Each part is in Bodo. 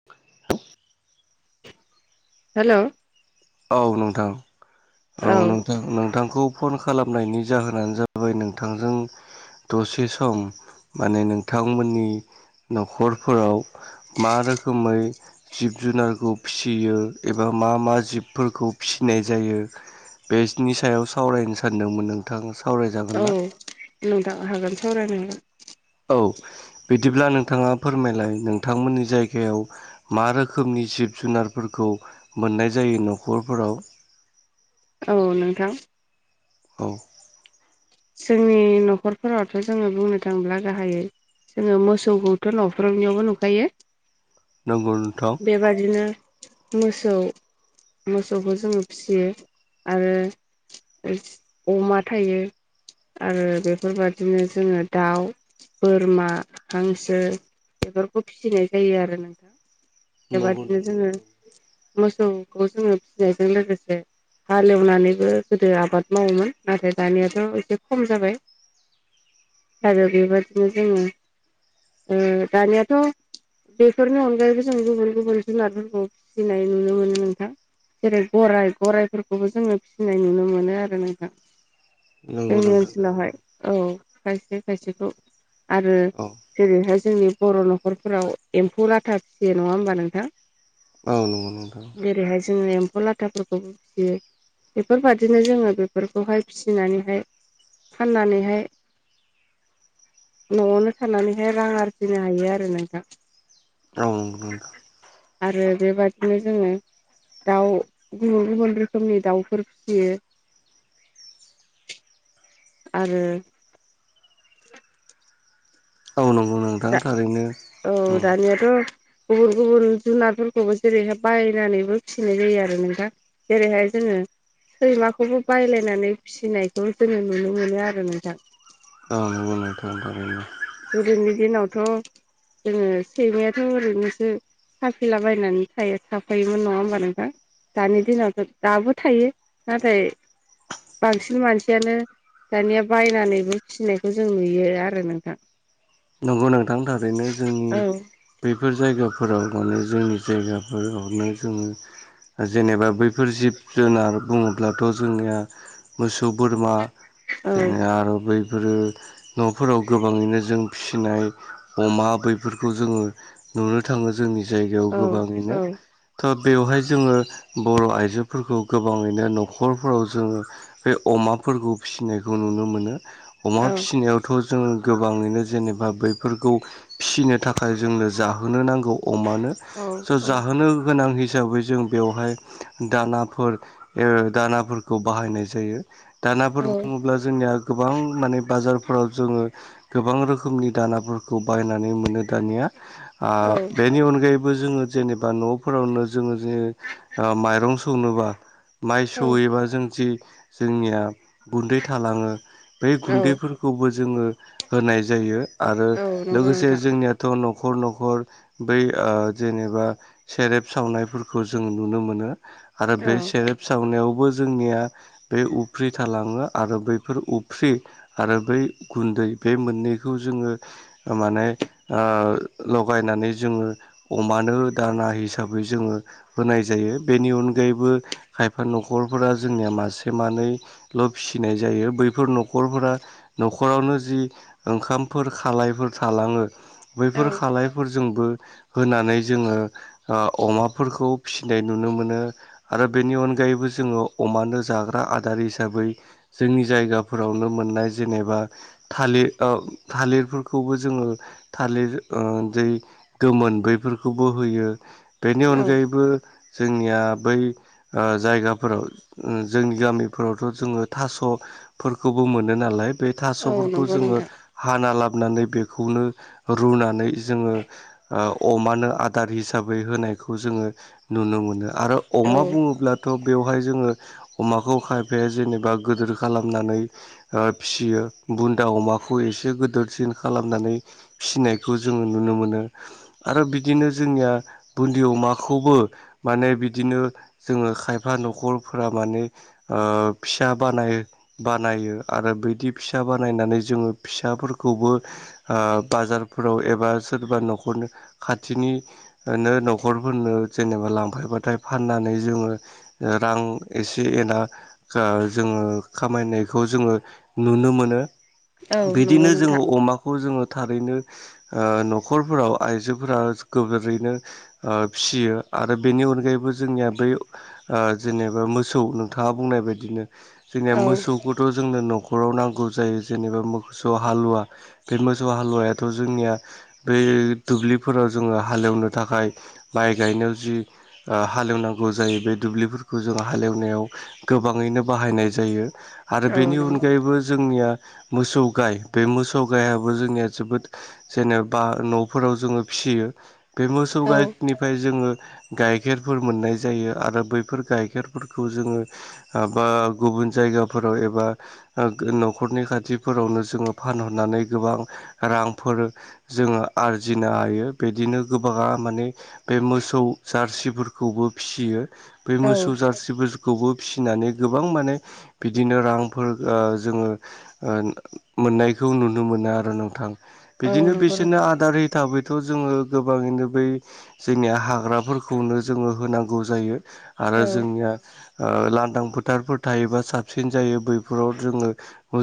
[inaudible] हेलौ औ नोंथां औ नोंथां नोंथांखौ फन खालामनायनि जाहोनानो जाबाय नोंथांजों दसे सम माने नोंथांमोननि न'खरफोराव मा रोखोमै जिब जुनारखौ फिसियो एबा मा मा जिबफोरखौ फिसिनाय जायो बेनि सायाव सावरायनो सानदोंमोन नोंथां सावरायजागोन ना? औ नोंथां हागोन सावरायनो हागोन। औ बिदिब्ला नोंथाङा फोरमायलाय नोंथांमोननि जायगायाव मा रोखोमनि जिब जुनारफोरखौ मोननाय जायो न'खरफोराव। औ नोंथां औ जोंनि न'खरफोरावथ' जोङो बुंनो थाङोब्ला गाहायै जोङो मोसौखौथ' न'फ्रोनियावबो नुखायो। नंगौ नोंथां बेबादिनो मोसौ मोसौखौ जोङो फियो आरो अमा थायो। आरो बेफोरबादिनो जोङो दाउ बोरमा हांसो बेफोरखौ फिसिनाय जायो आरो नोंथां। नंगौ बेबादिनो नोंथां जोङो थारैनो मोसौखौ जोङो फिनायजों लोगोसे हालेवनानैबो गोदो आबाद मावोमोन नाथाय दानियाथ' एसे खम जाबाय। आरो बेबायदिनो जोङो ओ दानियाथ' बेफोरनि अनगायैबो जों गुबुन गुबुन जुनारफोरखौ फिसिनाय नुनो मोनो नोंथां। जेरै गराइ गराइफोरखौबो जोङो फिसिनाय नुनो मोनो आरो नोंथां। नंगौ जोंनि नोंथां ओनसोलावहाय थारैनो औ खायसे खायसेखौ आरो औ जेरैहाय जोंनि बर' न'खरफोराव एम्फौ लाथा फिसियो नङा होमबा नोंथां। औ नंगौ नोंथां। जेरैहाय जोङो एम्फौ लाथाफोरखौबो फियो। बेफोरबादिनो जोङो बेफोरखौहाय फिसिनानैहाय फाननानैहाय न'आवनो थानानैहाय रां आरजिनो हायो आरो नोंथां। औ नोंगौ नोंथां आरो बेबादिनो जोङो दाउ गुबुन गुबुन रोखोमनि दाउफोर फिसियो। आरो औ नंगौ नों दा औ दानियाथ' गुबुन गुबुन जुनारफोरखौबो जेरैहाय बायनानैबो फिसिनाय जायो आरो नोंथां। जेरैहाय जोङो सैमाखौबो बायलायनानै फिसिनायखौ जोङो नुनो मोनो आरो नोंथां। औ नंगौ नोंथां थारैनो। गोदोनि दिनावथ' जोङो सैमायाथ' ओरैनोसो साफिला बायनानै थायो थाफायोमोन नङा होमबा नोंथां। दानि दिनावथ' दाबो थायो नाथाय बांसिन मानसियानो दानिया बायनानैबो फिसिनायखौ जों नुयो आरो नोंथां। नंगौ नोंथां थारैनो जोंनि औ बेफोर जायगाफोराव माने जोंनि जायगाफोरावनो जोङो जेनेबा बैफोर जिब जुनार बुङोब्लाथ' जोंनिया मोसौ बोरमा औ जेने आरो बैफोरो न'फोराव गोबाङैनो जों फिसिनाय अमा बैफोरखौ जोङो नुनो थाङो जोंनि जायगायाव औ गोबाङैनो थ' बेवहाय जोङो बर' आइजोफोरखौ गोबाङैनो न'खरफोराव जोङो बे अमाफोरखौ फिसिनायखौ नुनो मोनो अमा औ फिसिनायावथ' जोङो गोबाङैनो जेनेबा बैफोरखौ फिसिनो थाखाय जोंनो जाहोनो नांगौ अमानो स औ जाहोनो गोनां हिसाबै जों बेवहाय दानाफोर दानाफोरखौ बाहायनाय जायो दानाफोर औ बुङोब्ला जोंनिया गोबां माने बाजारफोराव जोङो गोबां रोखोम रोखोमनि दानाफोरखौ बायनानै मोनो दानिया बेनि अनगायै बो जोङो जेनेबा न'फोरावनो जोङो जे माइरं संनोबा माइ सौहैबा जों जि जोंनिया गुन्दै थालाङो बै गुन्दैफोरखौ खौबो जोङो होनाय जायो आरो नंगौ लोगोसे नोंथां औ जोंनिया थ' न'खर न'खर बै जेनेबा सेरेब सावनायफोरखौ जों नुनो मोनो आरो बे सेरेब सावनायावबो जोंनिया बे उफ्रि थालाङो आरो बैफोर उफ्रि आरो बै गुन्दै बे मोननै बेखौ जोङो माने लगायनानै जोङो अमानो दाना हिसाबै जोङो होनाय जायो बेनि अनगायैबो खायफा न'खरफोरा जोंनिया मासे मानैल' फिसिनाय जायो बैफोर न'खरफोरा न'खरावनो जि ओंखामफोर खालायफोर थालाङो औ बैफोर खालायफोरजोंबो होनानै जोङो अमाफोरखौ फिसिनाय नुनो मोनो आरो बेनि अनगायैबो जोङो अमानो जाग्रा आदार हिसाबै जोंनि जायगाफोरावनो मोननाय जेनेबा थालिर ओ थालिरफोरखौबो जोङो थालिर दैै गोमोन बैफोरखौबो होयो बेनि औ अनगायैबो जोंनिया बै जायगाफोराव जोंनि गामिफोरावथ' जोङो थास' फोरखौबो मोनो नालाय बे औ थास'फोरखौ नंगौ जोङो नोंथां हाना लाबनानै बेखौनो रुनानै जोङो अमानो आदार हिसाबै होनायखौ जोङो नुनो मोनो आरो औ अमा बुङोब्ला थ' बेवहाय जोङो अमाखौ खायफाया जेनेबा गोदोर खालामनानै फिसियो बुन्दा अमा खौ एसे गिदिरसिन खालामनानै फिसिनायखौ जोङो नुनो मोनो आरो बिदिनो जोंनिया बुन्दि अमाखौबो माने बिदिनो जोङो खायफा न'खरफोरा माने फिसा बानाय बानायो आरो बिदि फिसा बानायनानै जोङो फिसाफोरखौबो ओ बाजारफोराव एबा सोरबा न'खरनि खाथिनि नो न'खरफोरनो जेनेबा लांफायबाथाय फाननानै जोङो रां एसे एना जोङो खामायनायखौ जोङो नुनो मोनो औ नंगौ बिदिनो नोंथां जोङो अमाखौ जोङो थारैनो ओ न'खरफोराव आइजोफोरा गोबोरैनो ओ फिसियो आरो बेनि अनगायैबो जोंनिया बै जेनेबा मोसौ नोंथाङा बुंनाय बायदिनो जोंनिया औ मोसौखौथ' जोंनो न'खराव नांगौ जायो जेनेबा मोसौ हालुवा बे मोसौ हालुवायाथ' जोंनिया बे दुब्लिफोराव जोङो हालेवनो थाखाय माइ गायनायाव जि हालेवनांगौ जायो बे दुब्लिफोरखौ जों हालेवनायाव गोबाङैनो बाहायनाय जायो आरो औ बेनि नंगौ अनगायैबो जोंनिया मोसौ गाय बे मोसौ गायाबो जोंनिया जोबोद जेनेबा न'फोराव जोङो फिसियो बे मोसौ औ गाइनिफ्राय जोङो गाइखेरफोर मोननाय जायो आरो बैफोर गाइखेरफोरखौ जोङो आबा गुबुन जायगाफोराव एबा ओ न'खरनि खाथि, फोरावनो जोङो फानहरनानै गोबां रांफोर जोङो आरजिनो हायो बिदिनो गोबाङा माने, बे मोसौ जारसिफोरखौबो फिसियो बे औ मोसौ जारसि खौबो फिसिनानै गोबां माने बिदिनो रांफोर ओ जोङो, ओ मोननायखौ नुनो मोनो आरो नोंथां औ बिदिनो नंगौ बिसोरनो नोंथां आदार हिसाबै, थु जोङो गोबाङैनो बै जोंनिया हाग्राफोरखौनो जोङो होनांगौ जायो आरो औ जोंनिया, ओ लांदां फोथारफोर थायोबा साबसिन जायो बैफोराव जोङो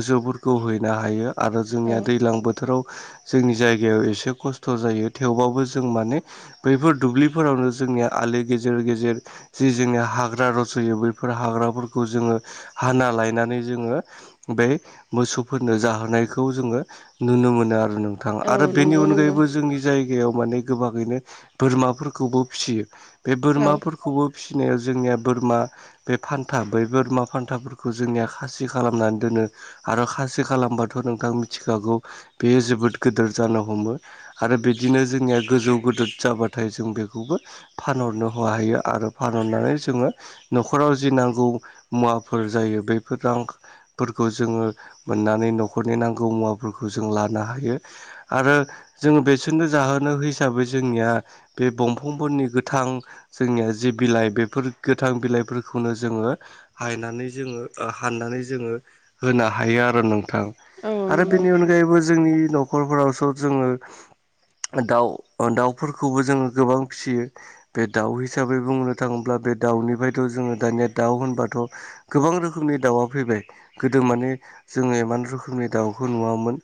जोबोद बेखौ हैनो हायो आरो औ जोंनिया दैज्लां बोथोराव, जोंनि जायगायाव एसे खस्थ' जायो थेवबाबो जों माने, बैफोर दुब्लिफोरावनो जोंनिया आलि गेजेर गेजेर, जि जोंनिया हाग्रा रज'यो बैफोर हाग्राफोरखौ जोङो हाना लायनानै जोङो, बे मोसौफोरनो जाहोनायखौ जोङो नुनो मोनो आरो नोंथां औ आरो बेनि नंगौ नंगौ अनगायैबो जोंनि जायगायाव माने गोबाङैनो बोरमाफोरखौबो फिसियो बे औ बोरमा फोर खौबो फिसिनाया जोंनिया बोरमा, बे फान्था बै बोरमा फान्थाफोरखौ जोंनिया खासि खालामनानै दोनो, आरो खासि खालामबाथ' नोंथां मिथिखागौ बेयो जोबोद गिदोर जानो हमो, आरो बिदिनो जोंनिया गोजौ गदोर जाबाथाय जों बेखौबो फानहरनो हायो आरो फानहरनानै जोङो न'खराव जि नांगौ मुवाफोर जायो बेफोर रांफोरखौ जोङो। मोननानै न'खरनि नांगौ मुवाफोरखौ जों लानो हायो आरो जोङो बेसोरनो जाहोनो हिसाबै जोंनिया बे दंफांफोरनि गोथां, जोंनिया जि बिलाइ बेफोर गोथां बिलाइफोरखौनो जोङो, हायनानै जोङो हाननानै जोङो होना हायो आरो नोंथां औ आरो नंगौ बेनि अनगायैबो जोंनि न'खरफोरावसो जोङो दाव दावफोरखौबो जोङो गोबां फिसियो। बे दाव हिसाबै बुंनो थाङोब्ला बे दावनिफ्रायथ' जोङो दानिया दाव होनबाथ' गोबां रोखोमनि दाउआ फैबाय गोदो माने, जोङो इमान रोखोमनि दाउखौ नुवामोन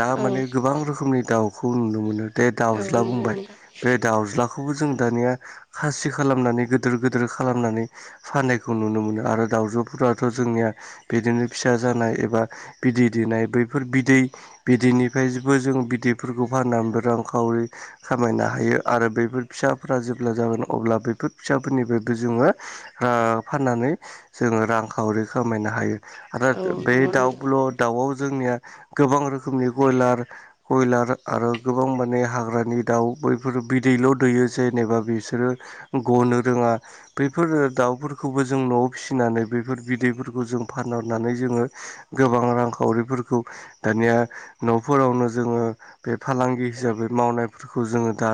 दा औ माने गोबां रोखोमनि दाव, खौ नुनो मोनो बे दाउज्ला नंगौ बुंबाय नोंथां बे दाउज्ला खौबो जों दानिया खासि खालामनानै गिदोर गिदोर खालामनानै फाननायखौ नुनो मोनो आरो दाावजोफोराथ' जोंनिया बिदिनो फिसा जानाय, एबा बिदै दैनाय बैफोर बिदै, बिदैनिफ्रायबो जों बिदैफोरखौ फाननानै रांखावरि खामायनो हायो आरो बैफोर फिसाफोरा जेब्ला जागोन अब्ला बैफोर फिसाफोरनिफ्रायबो जोङो। ओ फाननानै जोङो रांखावरि खामायनो हायो आरो औ बे नंगौ नोंथां दावआव जोंनिया गोबां रोखोमनि बयलार कयलार आरो गोबां माने हाग्रानि दाव बैफोर बिदैल' दैयो जेनेबा बिसोरो गनो रोङा, बैफोर दावफोरखौबो जों न'आव फिसिनानै बैफोर बिदैफोरखौ जों फानहरनानै जोङो। गोबां रांखावरिफोरखौ दानिया, न'फोरावनो जोङो बे फालांगि हिसाबै मावनायफोरखौ जोङो दा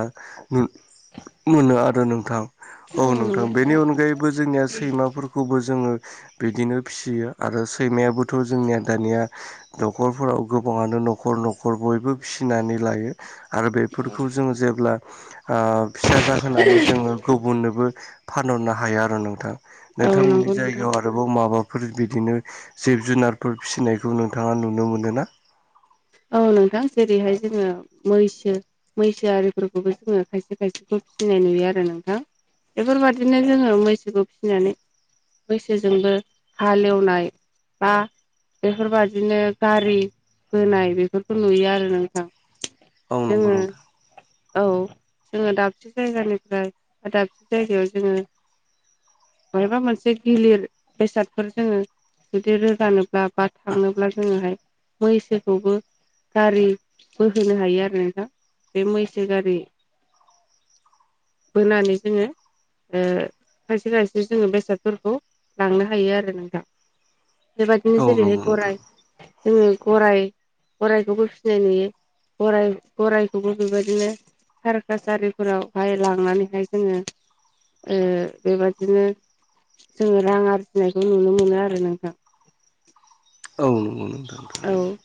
मोनो आरो नोंथां औ नोंथां बेनि अनगायैबो जोंनिया सैमा, फोरखौबो जोङो बिदिनो फिसियो आरो सैमायाबोथ' जोंनिया दानिया न'खरफोराव गोबाङानो न'खर न'खर बयबो फिनानै लायो। आरो बेफोरखौ जों जेब्ला, ओ फिसा जाहोनानै जोङो गुबुननोबो फानहरनो हाया आरो नोंथां, औ नोंथांमोननि नंगौ नोंथां जायगायाव आर आरोबाव माबाफोर बिदिनो जिब जुनारफोर फिसिनायखौ नोंथांआ नुनो मोनो ना औ नोंथां जेरैहाय जोङो मैसो मैसो आरिफोरखौबो जोङो खायसे खायसेखौ फिसिनाय नुयो आरो नोंथां बेफोरबायादिनो जोङो मैसोखौ फिनानै मैसोजोंबो हालेवनाय बा बेफोरबादिनो गारि बोनाय बेफोरखौ नुयो आरो नोंथां औ नंगौ जोङो नोंथां औ जोङो दाबसे जायगानिफ्राय दाबसे जायगायाव जोङो बहायबा मोनसे गिलिर बेसादफोर जोङो जुदि रोगानोब्ला बा थांनोब्ला जोङोहाय मैसोखौबो गारिबोहोनो हायो आरो नोंथां बे मैसो गारि बोनानै जोङो ओ खायसे खायसे जोङो बेसादफोरखौ लांनो हायो आरो नोंथां बेबादिनो औ जेरैहाय नंगौ नोंथां गराय जोङो गराय गररायखौबो फिनाय नुयो गराइखौबो बेबादिनो सारकास आरिफोरावहाय लांनानैहाय जोङो ओ बेबादिनो जोङो रां आरजिनायखौ नुनो मोनो आरो नोंथां औ नोंगौ नोंथां थारैनो औ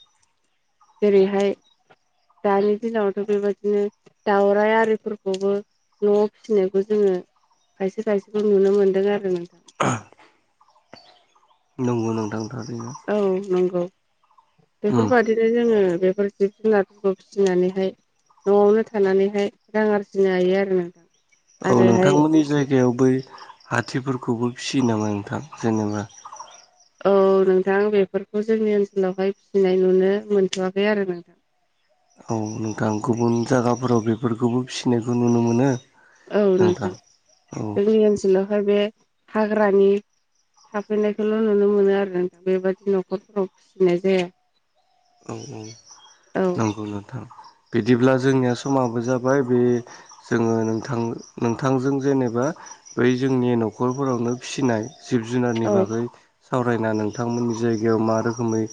जेरैहाय दानि दिनावथ' बेबादिनो दाउराइ आरिफोरखौबो न'आव फिसिनायखौ जोङो खायसे खायसेखौ नुनो मोनदों आरो नोंथां नंगौ नोंथां थारैनो औ नंगौ उम बेफोरबादि बिदिनो जोङो बेफोर जिब जुनारफोरखौ फिसिनानैहाय न'आवनो थानानैहाय रां आरजिनो हायो आरो नोंथां औ आरोहाय नोंथांमोनि जायगायाव बै हाथिफोरखौबो फियो नामा नोंथां जेनोबा औ नोंथां बेफोरखौ जोंनि ओनसोलावहाय फिनाय नुनो मोनथ'वाखै आरो नोंथां औ नोंथां गुबुन जागाफोराव बेफोरखौबो फिनायखौ नुनो मोनो औ नोंथां औ जोंनि ओनसोलावहाय बे हाग्रानि थाफैनायखौल' नुनो मोनो आरो नोंथां बेबादि न'खरफोराव फिसिनाय जाया औ औ औ नोंगौ नोंथां बिदिब्ला जोंनिआ समाबो जाबाय बे जोङो नोंथां नोंथांजों जेनोबा बै जोंनि न'खरफोरावनो फिसिनाय जिब जुनारनि औ बागै सावरायना नोंथांमोननि जायगायाव मा रोखोमै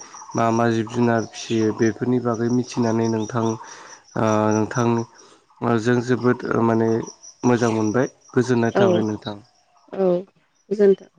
मा मा जिब जुनार फियो बेफोरनि बागै मिथिनानै नोंथां ओ नोंथां ओ जों जोबोद माने मोजां मोनबाय गोजोननाय औ थाबाय नोंथां। औ गोजोनथों